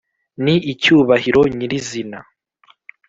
ni cyubahiro nyir’izina